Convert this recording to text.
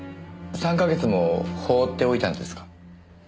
３か月も放っておいたんですか？